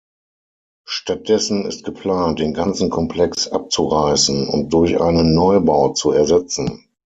Stattdessen ist geplant, den ganzen Komplex abzureißen und durch einen Neubau zu ersetzen.